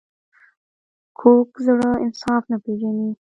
کوږ زړه انصاف نه پېژني